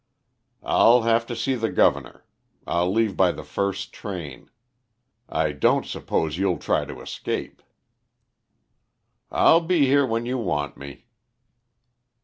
"I'll have to see the governor. I'll leave by the first train. I don't suppose you'll try to escape." "I'll be here when you want me."